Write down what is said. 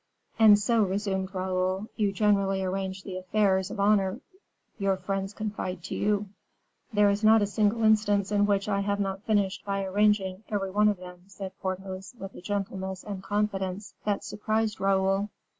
"And so," resumed Raoul, "you generally arrange the affairs of honor your friends confide to you." "There is not a single instance in which I have not finished by arranging every one of them," said Porthos, with a gentleness and confidence that surprised Raoul.